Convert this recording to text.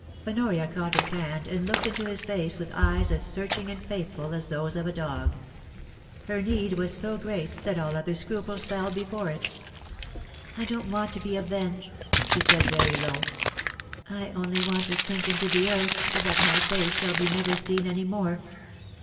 Honoria caught his hand and looked into his face with eyes as searching and faithful as those of a dog. Her need was so great that all other scruples fell before it ' I don't want to be avenged,' she said very low. ' I only want to sink into the earth so that my face shall be never seen any more.